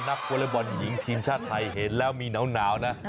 วอเล็กบอลหญิงทีมชาติไทยเห็นแล้วมีหนาวนะ